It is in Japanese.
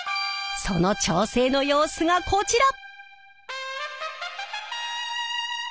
その調整の様子がこちら！